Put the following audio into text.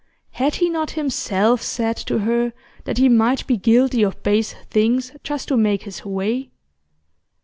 Had he not himself said to her that he might be guilty of base things, just to make his way?